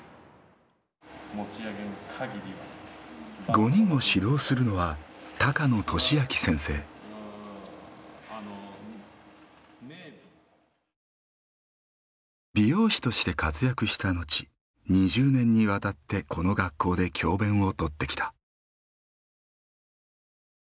５人を指導するのは美容師として活躍した後２０年にわたってこの学校で教鞭をとってきた。